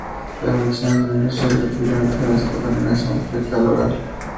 La infección por "Shigella", típicamente comienza por contaminación fecal-oral.